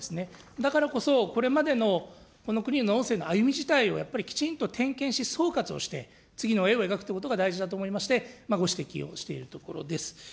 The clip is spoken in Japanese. だからこそ、これまでのこの国の農政の歩み自体をやっぱりきちんと点検し、総括をして、次の絵を描くということが大事だと思いまして、ご指摘をしているところです。